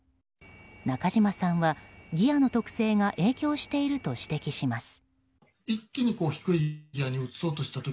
中島さんはギアの特性が影響していると指摘します。